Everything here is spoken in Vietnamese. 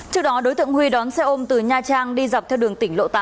trước đó đối tượng huy đón xe ôm từ nha trang đi dọc theo đường tỉnh lộ tám